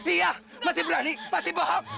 iya masih berani masih paham